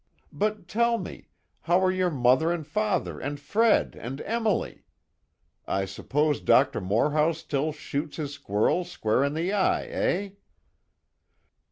But, tell me, how are your mother and father and Fred and Emily? I suppose Doctor Moorhouse still shoots his squirrels square in the eye, eh!"